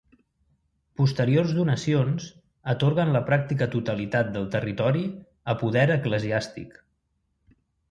Posteriors donacions atorguen la pràctica totalitat del territori a poder eclesiàstic.